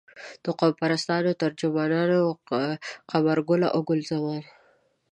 د قوم پرستانو ترجمان قمرګله او ګل زمان.